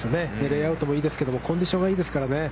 レイアップもいいですが、コンディションがいいですからね。